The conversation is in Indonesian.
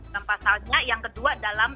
dan pasalnya yang kedua dalam